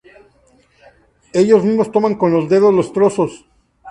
Ellos mismos toman con los dedos los trozos.